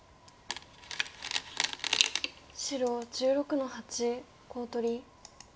白１６の八コウ取り。